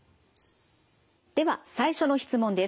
では最初の質問です。